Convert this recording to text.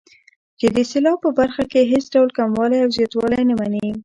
چې د سېلاب په برخه کې هېڅ ډول کموالی او زیاتوالی نه مني.